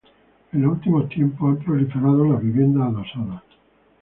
En los últimos tiempos, han proliferado las viviendas adosadas.